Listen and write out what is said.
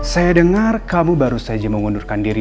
saya dengar kamu baru saja mengundurkan diri